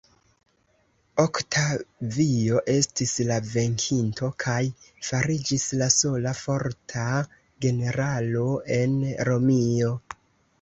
Oktavio estis la venkinto kaj fariĝis la sola forta generalo en Romio.